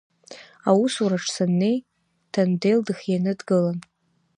Аусураҿ саннеи, ҭандел дыхианы дгылан.